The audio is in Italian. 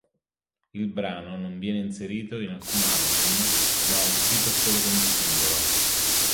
Il brano non viene inserito in alcun album ma uscito solo come singolo.